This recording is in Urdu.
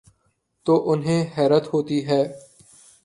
تو انہیں حیرت ہو تی ہے۔